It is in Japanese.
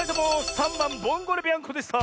３ばん「ボンゴレビアンコ」でした！